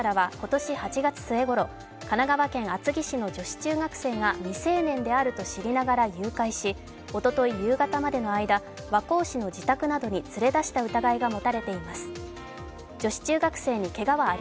斉須容疑者らは神奈川県厚木市の女子中学生が未成年であると知りながら誘拐し、おととい夕方までの間、和光市の自宅などに連れ出した疑いが持たれています。